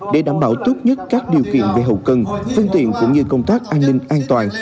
để đảm bảo tốt nhất các điều kiện về hậu cần phương tiện cũng như công tác an ninh an toàn